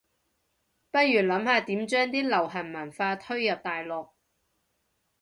不如諗下點將啲流行文化推入大陸